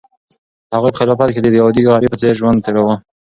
هغوی په خلافت کې د یو عادي غریب په څېر ژوند تېراوه.